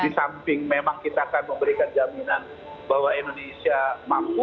di samping memang kita akan memberikan jaminan bahwa indonesia mampu